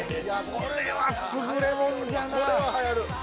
◆これははやる！